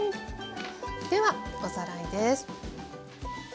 ではおさらいです。